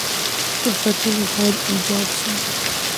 فرصتونه باید ایجاد شي.